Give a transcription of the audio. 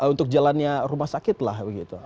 untuk jalannya rumah sakit lah begitu